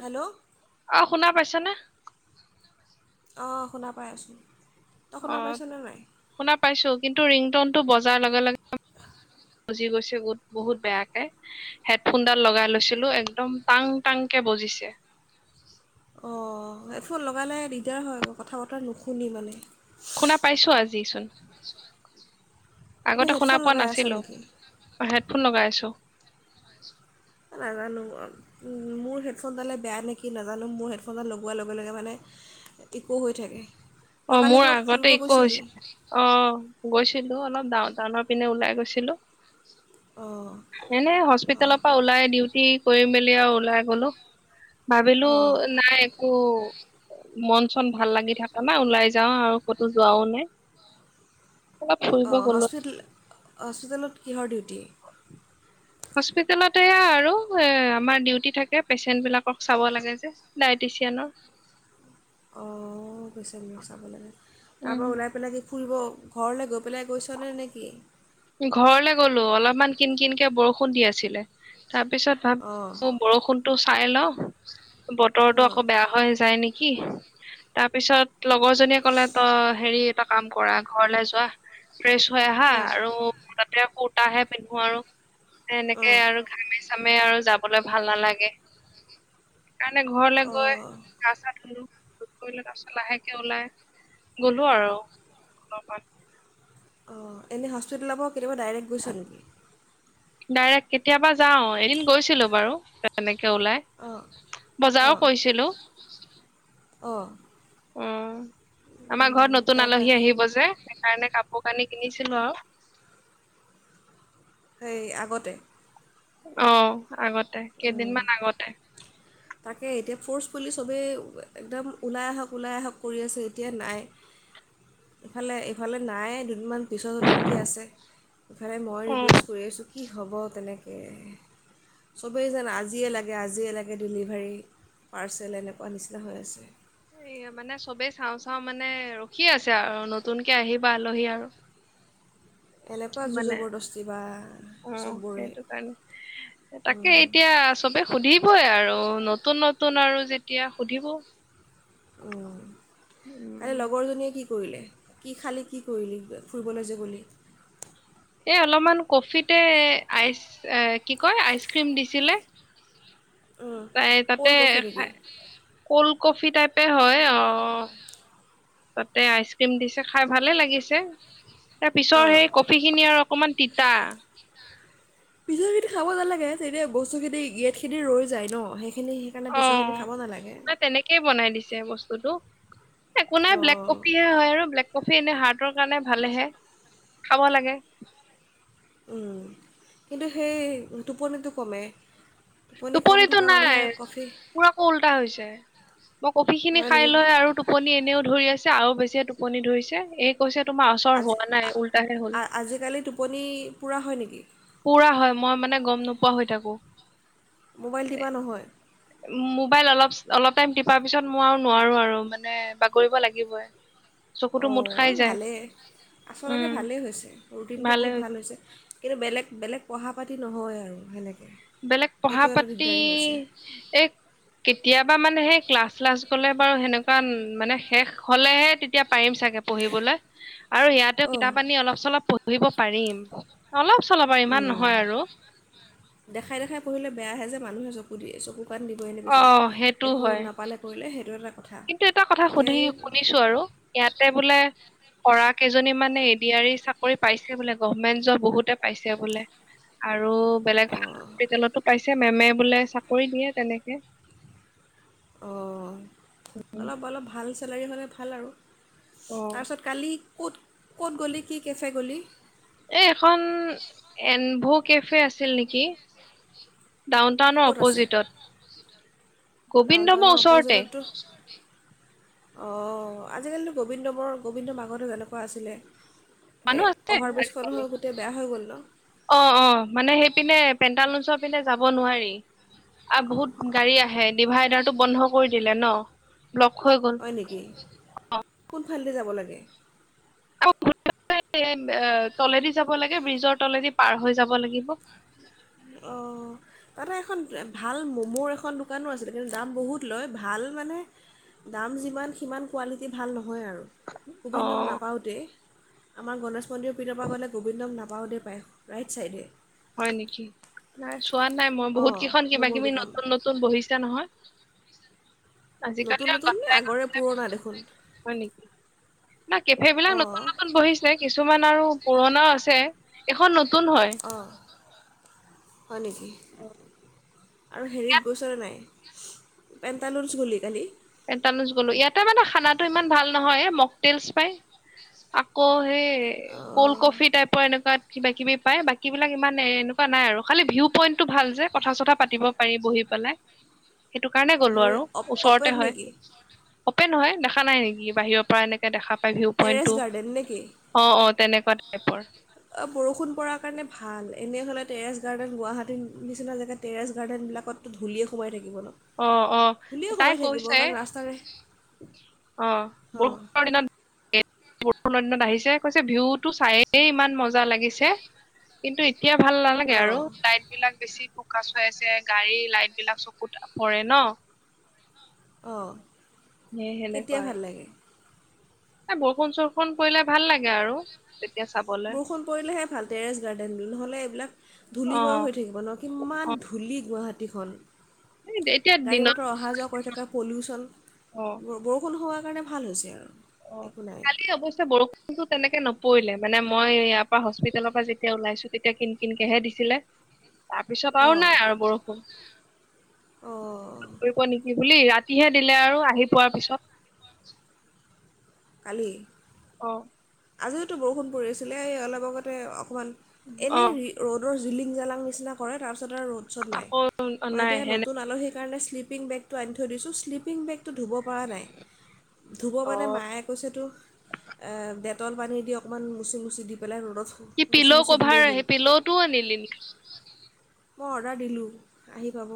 Hello অ' শুনা পাইছা নে? অ'শুনা পাই আছো। অ', শুনা পাইছো, কিন্তু ৰিংটনটো বজাৰ লগে লগে বুজি গৈছে গোত বহুত বেয়াকে। হেডফোনডাল লগাই লৈছিলো, একদম টং, টাং কে বজিছে। অ'এয়াৰফোন লগালে দিগদাৰ হয় আকৌ, কথা-বতৰা নুশুনি মানে। শুনা পাইছো আজি চোন। এতিয়া আগতে শুনা হেডফোন পোৱা লগাই আছ নাছিলো, নেকি হেডফোন লগাই আছো। নাজানো, আও। মোৰ হেডফোনডালে বেয়া নেকি নাজানো, মোৰ হেডফোনডাল লগোৱাৰ লগে লগে মানে ইকো হৈ থাকে, অ তই কালি মোৰ ক'ৰবাত আগতে ফুৰিব একো গৈছিলি? হৈছে অ', গৈছিলো, অলপ ডাও টাউনৰ পিনে ওলাই গৈছিলো। অ'। এনেই হস্পিতালৰ পৰা ওলাই ডিউটি কৰি মেলি আৰু ওলাই গ'লো। ভাবিলো অঁ নাই একো মন-চন ভাল লাগি থাক তাপা ওলাই যাও আৰু ক'তো যোৱাও নাই। অলপ ফুৰিব অ', গলো হস্পিতল-হস্পিটেলত কিহৰ ডিউটি? হস্পিতেলত এয়া আৰু এ, আমাৰ ডিউটি থাকে, পেচেণ্ট বিলাকক চাব লাগে যে। ডাইটিচিয়ানৰ। অ' পেচেন বিলাক চাব লাগে। উম তাৰপৰা ওলাই পেলাই কি ফুৰিব ঘৰলৈ গৈ ওলাই গৈছ নে নেকি? ঘৰলে গ'লো অলপমান কিন- কিনকে বৰষুণ দি আছিলে, তাৰ পিছত ভাব অঁ [unintelligible] বৰষুণতটো চাই লওঁ অঁ বতৰটো আকৌ বেয়া হৈ যায় নেকি। তাৰ পিছত লগৰ জনীয়ে ক'লে তই হেৰি এটা কাম কৰা ঘৰলে যোৱা ফ্ৰেছ হৈ আহা অঁ আৰু [unintelligible] কুুৰ্তাহে পিন্ধো আৰু। [unintelligible] অঁ আৰু ঘামে -চামে আৰু যাবলে ভাল নালাগে। সেইকাৰণে ঘৰলৈ গৈ অঁ গা চা ধুলো। [unintelligible] তাপিছত লাহেকে ওলাই গ'লো আৰু অলপমান। অঁ এনে হস্পিতলৰ পাও কেতিয়াবা ডাইৰেক্ট গৈছ নেকি? ডাইৰেক্ট কেতিয়াবা যাওঁ, এদিন গৈছিলো বাৰু তেনেকে ওলাই। অঁ বজাৰো কৈছিলো। অ। অ আমাৰ ঘৰত নতুন তাক আলহী তাক আহিব যে, সেইকাৰণে কাপোৰ কানি কিনিছিলো আৰু। সেই আগতে অ আগতে উম, কেইদিনমান আগতে। তাকে এতিয়া ফ'ৰ্চ বুলি চবেই একদম ওলাই আহক, ওলাই আহক, কৰি আছে এতিয়া নাই। ইফালে ইফালে নাই দুদিনমান পিছত ওলাম কে আছে। [unintelligible] মই অ ৰিকুৱেষ্ট কৰি আছো কি হ'ব তেনেকে, চবেই জেন আজিয়ে লাগে আজিয়ে লাগে। ডেলিভাৰী পাৰ্চেল এনেকুৱা নিচিনা হৈ আছে। এই মানে চবেই চাওঁ চাওঁ মানে ৰখি আছে আৰু নতুনকে আহিব আলহী আৰু। এনেকুৱা জোৰ মানে জবৰদস্তি বা অ' চববোৰে সেইটো কাৰণে, তাকে এতিয়া চবে সুধিবই আৰু নতুন নতুন আৰু যেতিয়া সুধিব। উম আৰে উম লগৰ জনীয়ে কি কৰিলে কি খালি কি কৰিলি [unintelligible] ফুৰিবলৈ যে গ'লি? এই অলপমান কফিতে আইচ এ কি কয় আইচক্ৰীম দিছিলে। উম, তাই তাতে ক'ল্ড কফি নেকি? খাই- কল্ড কফি টাইপে হয় অ। তাতে আইচক্ৰীম দিছে খাই ভালে লাগিছে তাৰ পিছৰ অঁ সেই কফি খিনি আৰু [unintelligible] মান তিতা। পিছৰ খিনি খাব নালাগে তেতিয়া বস্তু খিনি গেট খিনি ৰৈ যায় ন সেইখিনি [unintelligible] পিছৰখিনি খাব নালাগে। ঠিকেই বনাই দিছে বস্তুটো একো নাই ব্লেক অঁ কফিহে হয় আৰু ব্লেক কফি এনে হাৰ্টৰ কাৰণে ভালেহে খাব লাগে। উম, কিন্তু সেই টোপনিটো কমে। টোপনি কম টোপনিতো থকা মানুহে নাই কফি মোৰ আকৌ‌ উল্টা হৈছে [unintelligible] কফি খিনি হয় খাই নেকি লৈ আৰু টোপনি এনেও ধৰি আছে আৰু বেছিয়ে টোপনি ধৰিছে এই কৈছে তোমাৰ অচৰ আজি হোৱা নাই ওলতাহে হ'ল। আজিকালি টোপনি পুৰা হয় নেকি? পুৰা হয় মই মানে গম নোপোৱা হৈ থাকো। মোবাইল টিপা নহয়? মোবাইল অলপ অলপ টাইম টিপাৰ পিছত মই আৰু নোৱাৰো আৰু মানে বাগৰিব লাগিবই। অ চকুতো মুদ খাই যায় ভালেই আচলতে উম ভালেই হৈছে ৰুটিনটো বহুত ভাল হৈছে। কিন্তু বেলেগ বেলেগ পঢ়া- পাটি নহয় আৰু সেনেকে। বেলেগ পঢ়া -পাটি এ কেতিয়াবা মানে সেই ক্লাছ -শ্লাচ গ'লে বাৰু সেনেকুৱা মানে শেষ হ'লেহে তেতিয়া পাৰিম চাগে। পঢ়িবলৈ আৰু ইয়াত অঁ কিতাপ আনি অলপ চলপ পঢ়িব পাৰিম, অলপ চলপ আৰু, ইমান নহয় আৰু। দেখাই দেখাই পঢ়িলে বেয়াহে, যে মানুহে চকু দিয়ে। চকু, কাণ দিবই এনে অ পিছত সেইটো একো হয়। নাপালে। কৰিলে সেইটোত কিন্তু এটা কথা সুধি শুনিছোঁ আৰু, ইয়াতে বোলে কৰা কেইজনী মানে, এডি আৰু ই চাকৰি পাইছে বোলে, গভমেন্ট জব বহুতে পাইছে বোলে। আৰু বেলেগ ভাল অঁ হস্পিতেলটো পাইছে। পিছে মেমে বোলে চাকৰি দিয়ে, তেনেকে। অ', অলপ অলপ ভাল চেলাৰী হ'লে ভাল আৰু, অ তাৰপিছত কালি, ক'ত। ক'ত গ'লি কি কেফে গ'লি? এই এখন, এনভো কেফে আছিল নেকি? ডাউন টাউনৰ অপ'জিটত। গোবিন্দমৰ ডাউন-টাউনৰ ওচৰতে অপজিতট তো অ', আজিকালিতো গোবিন্দ বৰ, গোবিন্দ বৰ মাকহঁতো তেনেকুৱা আছিলে। মানুহ এই আছে অভাৰ ব্ৰিজখন আজিকালি হৈ, গোটেই বেয়া হৈ গ'ল ন? অ' অ', মানে সেইপিনে, পেণ্টালঞ্চৰ পিনে যাব নোৱাৰি। অ', বহুত গাড়ী আহে, ডিভাইডাৰটো বন্ধ কৰি দিলে ন', ব্লক হৈ গ'ল। হয় নেকি? কোনফালে দি যাব লাগে? তলেদি যাব লাগে, ব্ৰিজৰ তলেদি পাৰ হৈ যাব লাগিব। অ', তাতে এখন, ভাল ম'মোৰ এখন দোকানো আছিলে। কিন্তু দাম বহুত লয়, ভাল মানে দাম যিমান, সিমান কোৱালিটি ভাল নহয় আৰু, অ গোবিন্দম নাপাওঁতে। আমাৰ গণেশ মন্দিৰ পিনৰ পৰা গ'লে, গোবিন্দক নাপাওঁতেই পায়, ৰাইট চাইডে। হয় নেকি? নাই, চোৱা নাই মই। বহুত অঁ কেইখন ম'মৰ কিবা-কিবি দোকান নতুন নতুন নতুন বহিছে নহয়, আজিকালি নতুন আৰু নতুন নে আগৰে পুৰণা দেখোন হয় নেকি? না কেফে বিলাক নতুন অঁ নতুন বহিছে, কিছুমান আৰু পুৰণাও আছে, এইখন নতুন হয়। অঁ হয় নেকি? আৰু হেৰিত গৈছ নে নাই, পেণ্টালুছ গ'লি, কালি। পেন্টালুচ গ'লো, ইয়াতে মানে খানাটো ইমান ভাল নহয়। এ মক তেলচ পাই। আকৌ সেই ক'ল্ড অঁ, কফি টাইৰ এনেকুৱা কিবা-কিবি পায়, বাকীবিলাক ইমান এনেকুৱা নাই আৰু খালি ভিউ পইণ্টটো ভাল যে। কথা চথা পাতিব পাৰি, বহি পেলাই। উম্। সেইটো কাৰণে গ'লো আৰু। এই ওচৰতে অপেড হয় নেকি? অপেন হয়, দেখা নাই নেকি? বাহিৰৰ পৰা এনেকে দেখা পায়, ভিউ টেৰেছ পইণ্টটো। গাৰ্ডেন নেকি অ', অ', তেনেকুৱা টাইপৰ। বৰষুণ পৰাৰ কাৰণে ভাল, এনেই হ'লে টেৰেছ গাৰ্ডেন, গুৱাহাটীৰ নিচিনা জেগাত টেৰেছ গাৰ্ডেনবিলাকত ধূলিয়ে সোমাই থাকিব ন'। অ অ ধূলিয়ে তাই সোমাই থাকিব, কৈছে কাৰণ ৰাস্তাৰে অ', অঁ বৰষুণৰ দিনত বৰষুণৰ দিনত আহিছে। কৈছে, ভিউটো চায়ে ইমান মজা লাগিছে। কিন্তু এতিয়া ভাল নালাগে অঁ আৰু, লাইট বিলাক বেছি পকাচ চুৱাইছে, গাড়ী লাইট বিলাক চকুত পৰে ন'। অ', সেই সেনেকুৱা আৰু। এ বৰষুণ চৰষুণ পৰিলে ভাল লাগে আৰু। তেতিয়া চাব বৰষুণ পৰিলেহে ভাল টেৰেছ গাৰ্ডেন বোৰ নহ'লে এইবিলাক অ ধূলিময় হৈ থাকিব ন। কিমান অ ধূলি গুৱাহাটীখন এতিয়া গাড়ী দিনত মটৰ অহা যোৱা কৰি থকা। পলিউচন অ বৰষুণ হোৱাৰ কাৰণে ভাল হৈছে আৰু। একো নাই অ'কালি অৱস্থা বৰষুণ কিন্তু তেনেকে নপৰিলে মানে মই ইয়াৰ পৰা হস্পিতালত পৰা যেতিয়া ওলাইছো তেতিয়া কিন কিনকেহে দিছিলে। তাৰপিছত আৰু অঁ নাই আৰু বৰষুণ। অঁ কৰিব নেকি বুলি ৰাতিহে দিলে আৰু আহি পোৱাৰ পিছত। কালি। অ' আজিতো বৰষুণ পৰি আছিলে এ অলপ আগতে অকণমান অ এনেই ৰি ৰ'দৰ জিলিং জ্বালাং নিচিনা কৰে তাৰপিছত আৰু ৰ'ড শসদ নাই আকৌ মই নাই এতিয়া সেনে নতুন আলহীক কাৰণে শ্লিপিং বেগটো আনি থৈ দিছো শ্লিপিং বেগটো ধুব পৰা নাই ধুব অ মানে মাই কৈছেতো অ দে তল পানী দি অকণমান মচিমচি দি পেলাই ৰ'দত কি পিল' মচিমচি কভাৰ দিলেই হ'ল। সেই পিল'টো আনিলি নেকি মই অৰ্ডাৰ দিলোঁ আহি পাব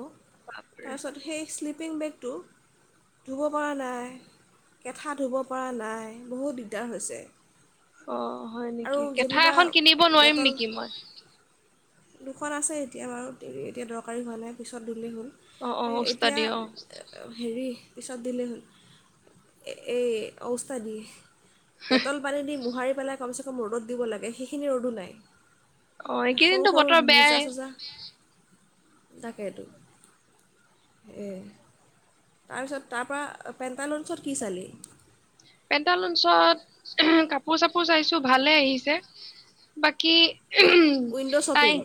বাপৰে তাৰপাছত সেই শ্লিপিং বেগটো। ধুব পৰা নাই কেঠা ধুব পৰা নাই বহুত দিগদাৰ হৈছে। অ হয় ন আৰু যেনিবা দেটল মই দুখন আছে এতিয়া বাৰু এতিয়া দৰকাৰী হোৱা নাই পিছত ধুলেই হ'ল অ অ এতিয়া উস্তাদি অ হেৰি পিছত দিলেই হ'ল এই এই ওস্তাদিয়ে। দেটল পানী দি মোহাৰি পেলাই কমচে কম ৰ'দত দিব লাগে সেইখিনি ৰ'দো নাই। অ সৰু এইকেইদিনতো সৰু বতৰ মোজা বেয়াই চোজা তাকেটো। এই তাৰপিছত তাৰপৰা পেণ্টালুনছ কি চালি। পেণ্টালুনছ কাপোৰ চাপোৰ চাইছোঁ ভালে আহিছে বাকী উই উইণ্ড' শ্বপিং তাই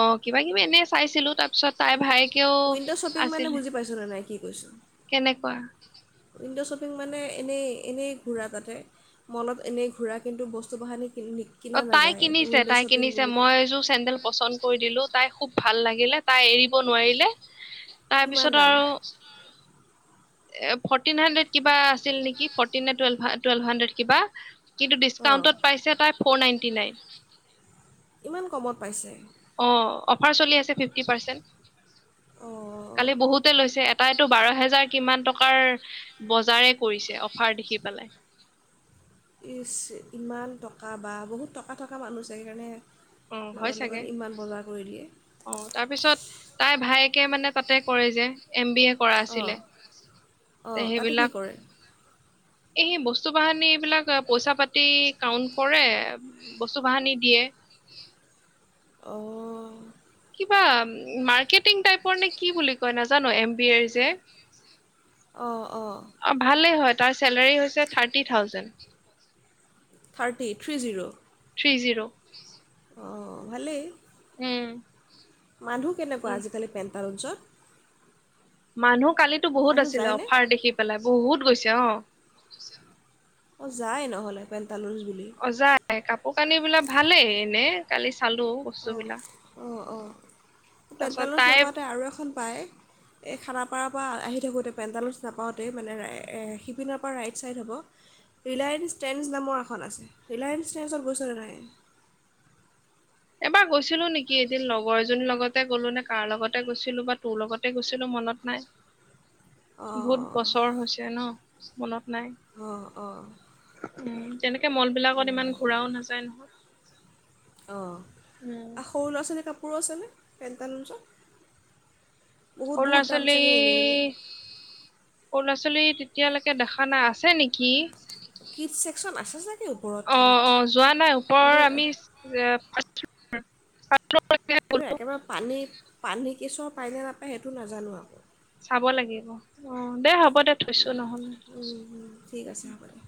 অ কিবা কিবি এনে চাইছিলো তাৰপিছত তাইৰ ভাইেকেও উইণ্ড' শ্বপিং মানে আছিলে। বুজি পাইছে নে নাই কি কৈছো। কেনেকুৱা। উইণ্ডো শ্বপিং মানে এনেই এনেই ঘূৰা তাতে। মলত এনেই ঘূৰা কিন্তু বস্তু বাহানি কিনি নি অ তাই কিনিছে তাই কিনিছে মই এযোৰ চেন্দেল পচন্দ কৰি দিলো। তাই খুব ভাল লাগিলে তাই এৰিব নোৱাৰিলে কিমান তাৰপিছত দাম আৰু [unintelligible] এ ফৰ্টিন হাড্ৰেড কিবা আছিল নেকি ফৰ্টিন নে ট টুৱেলভ হাড্ৰেড কিবা। কিন্তু অঁ ডিচকাউণ্টত পাইছে তাই ফ'ৰ নাইটি নাইন। ইমান কমত পাইছে। অ অফাৰ চলি আছে ফিফটি পাৰ্চেণ্ট। অ'। খালি বহুতে লৈছে এটাইতটো বাৰ হেজাৰ কিমান টকাৰ বজাৰে কৰিছে অফাৰ দেখি পেলাই। ইমান টকা বা বহুত টকা থকা মানুহ আছে সেইকাৰণে। অ হয় লগত চাগে লগত ইমান বজাৰ কৰি দিয়ে। অ', তাৰপিছত, তাই ভায়েকে মানে তাতে কৰে যে, এম বি এ। কৰা অঁ আছিলে, অঁ তে তাতে কি সেইবিলাক কৰে এই সি বস্তু বাহানী এই বিলাক পইচা পাতি কাউন্ট কৰে, বস্তু বাহানি দিয়ে। অ'। কিবা, মাৰ্কেটিং টাইপৰ নে কি বুলি কয়, নাজানো এম বি এৰ যে। অ'-অ'। অ', ভালেই হয়, তাৰ চেলাৰী হৈছে thirty thousand. Thirty, three zero? Three zero. অ', ভালেই। উম। মানুহ কেনেকুৱা আজিকালি পেণ্টালুঞ্চত? মানুহ কালিতো বহুত মানুহ আছিলে যায়নে অফাৰ দেখি পেলাই, বহুত গৈছে অ'। অ', যাই নহ'লে পেণ্টালুঞ্জ বুলি। অ যায়, কাপোৰ-কানি বিলাক ভালেই এনে কালি চালোঁ বস্তুবিলাক। অ'-অ', পেণ্টালুজ তাই নাপাওঁতে আৰু এখন পায়। এই খানাপাৰাৰ পৰা আহি থাকোঁতে পেণ্ডালচ নাপাওঁতেই, মানে ৰা-শিপিনাৰ পৰা ৰাইট ছাইড হ'ব। ৰিলায়েঞ্চ ট্ৰেন্ঞ্চ নামৰ এখন আছে, ৰিলায়েঞ্চ ট্ৰেন্ঞ্চত গৈছেনে নেপায়। এবাৰ গৈছিলো নেকি, এদিন লগৰ এজনীৰ লগতে গ'লো নে, কাৰ লগতে গৈছিলোঁ‌, বা তোৰ লগতে তে গৈছিলোঁ‌ মনত নাই। [unintelligible] বহুত অঁ বছৰ হৈছে ন, মনত নাই। অ'-অ'। উম, তেনেকে মল বিলাকত ইমান ঘুৰাও নাযায় নহয়। অ', উম আৰু সৰু ল'ৰা-ছোৱালীৰ কাপোৰো আছেনে পেন্টালোঞ্চত? সৰু ল'ৰা বহুত-বহুত দাম ছোৱালী চাগে, এনেই-এনেই। সৰু ল'ৰা-ছোৱালী তেতিয়ালৈকে দেখা নাই, আছে নেকি। কিড ছেকচন আছে চাগে। ওপৰত ক'ৰবাত অ'-অ', যোৱা নাই, কিন্তু ওপৰৰ আমি এ [unintelligible] কিন্তু একেবাৰে পানী, পানী কেচুৱা পায় নে নাপায় সেইটো নাজানো আকৌ। চাব লাগিব, অ', দে হ'ব দে থৈছো নহ'লে। উম-উম, ঠিক আছে হ'ব দে।